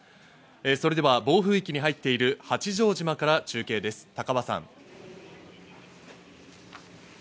それでは暴風域に入っている八丈島から中継です、高和さん。